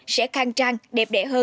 sẽ khang trang đẹp